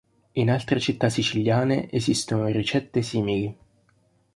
In altre città siciliane esistono ricette simili.